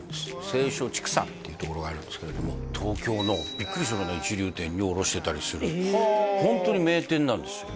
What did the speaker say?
西湘畜産っていうところがあるんですけれども東京のビックリするような一流店に卸してたりするはあホントに名店なんですよ